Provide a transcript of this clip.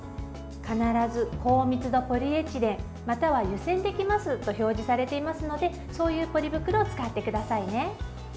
必ず高密度ポリエチレンまたは、湯煎できますと表示されていますのでそういうポリ袋を使ってください。